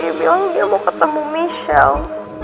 dia bilang dia mau ketemu michelle